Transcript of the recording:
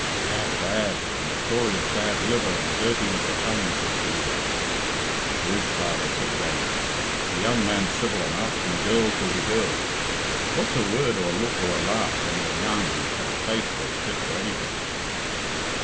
"Bad, bad, a notorious bad liver and dirty with the tongue," said Cæsar. "Chut, father!" said Grannie. "The young man's civil enough, and girls will be girls. What's a word or a look or a laugh when you're young and have a face that's fit for anything."